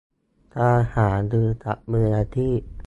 การหารือกับมืออาชีพ